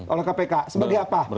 oleh kpk sebagai apa